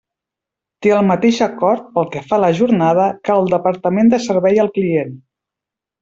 Té el mateix acord, pel que fa a la jornada, que el Departament de Servei al client.